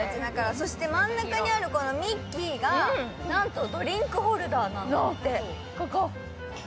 そして真ん中にあるこのミッキーがなんとドリンクホルダーなの。